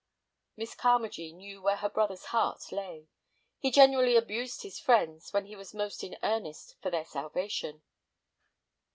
Miss Carmagee knew where her brother's heart lay. He generally abused his friends when he was most in earnest for their salvation.